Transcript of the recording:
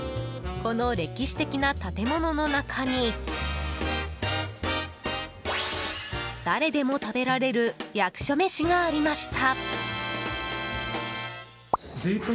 この歴史的な建物の中に誰でも食べられる役所メシがありました。